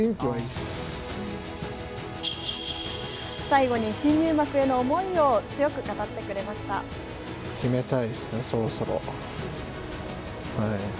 最後に新入幕への思いを強く語ってくれました。